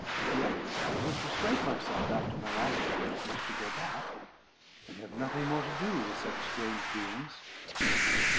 Yet I could persuade myself, after my last adventures, to go back, and have nothing more to do with such strange beings."